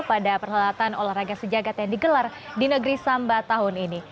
pada perhelatan olahraga sejagat yang digelar di negeri samba tahun ini